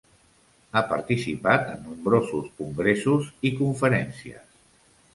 Ha participat en nombrosos congressos i conferències.